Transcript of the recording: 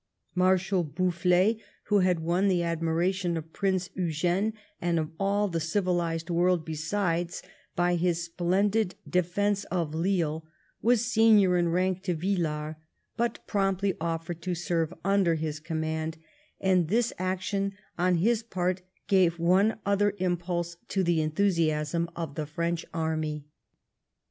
Marshal Boufflers, who had won the admiration of Prince Eugene and of all the civilised world beside by his splendid defence of Lille, was senior in rank to Villars, but promptly oflered to serve under his command, and this action on his part gave one other impulse to the enthusiasm of the French army.